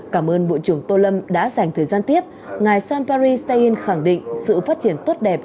cảm ơn bộ trưởng tô lâm đã dành thời gian tiếp ngài sean perry stein khẳng định sự phát triển tốt đẹp